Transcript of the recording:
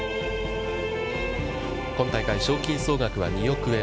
今大会の賞金総額は２億円。